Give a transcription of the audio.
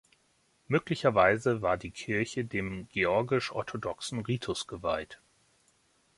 Möglicherweise war die Kirche dem georgisch-orthodoxen Ritus geweiht.